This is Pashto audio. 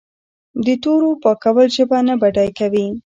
د تورو پاکول ژبه نه بډای کوي.